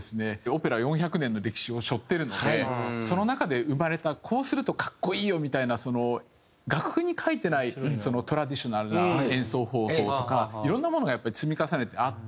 オペラ４００年の歴史を背負ってるのでその中で生まれたこうすると格好いいよみたいな楽譜に書いてないトラディショナルな演奏方法とかいろんなものがやっぱり積み重ねてあるんですね。